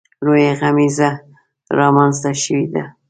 لویه غمیزه رامنځته شوې ده.